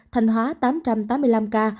thành hóa tám tám mươi năm ca